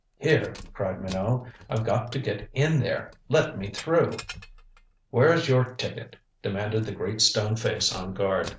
"Here," cried Minot. "I've got to get in there. Let me through!" "Where's your ticket?" demanded the great stone face on guard.